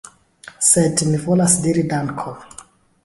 ♫ Sed mi volas diri dankon ♫